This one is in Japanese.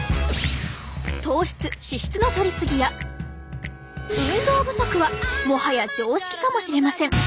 糖質・脂質のとりすぎや運動不足はもはや常識かもしれません！